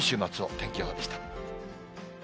天気予報でした。